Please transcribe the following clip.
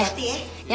yang selamat ya